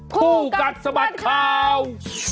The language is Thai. ผู้กัดสมัดข่าว